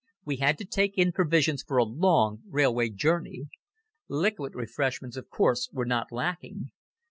We had to take in provisions for a long railway journey. Liquid refreshments, of course, were not lacking.